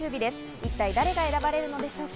一体、誰が選ばれるのでしょうか？